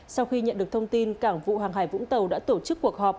sau khi nhận được thông tin cảng vụ hàng hải vũng tàu đã tổ chức cuộc họp